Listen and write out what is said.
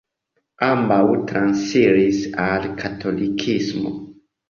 Ambaŭ transiris al katolikismo.